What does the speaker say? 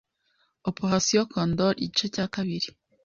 Operation Condor igice cya kabiri,